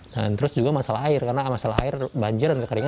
dan terus juga masalah air karena masalah air banjir dan kekeringan